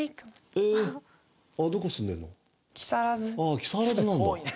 ああ木更津なんだ。